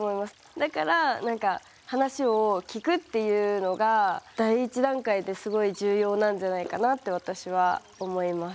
だからなんか話を聞くっていうのが第１段階ですごい重要なんじゃないかなって私は思います。